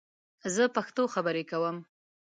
زه پښتو خبرې کوم